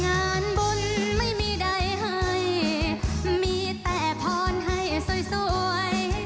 งานบุญไม่มีใดให้มีแต่พรให้สวย